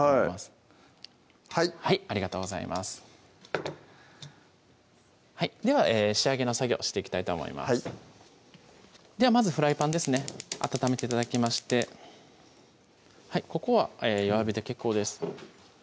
はいありがとうございますでは仕上げの作業していきたいと思いますではまずフライパンですね温めて頂きましてここは弱火で結構です